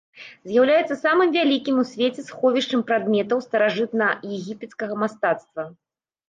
З'яўляецца самым вялікім у свеце сховішчам прадметаў старажытнаегіпецкага мастацтва.